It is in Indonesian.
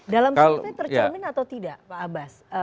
dalam survei tercermin atau tidak pak abbas